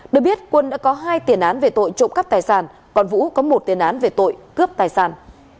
được biết quân đã có hai tiền án về tội trộm cắp tài sản còn vũ có một tiền án về tội cướp tài sản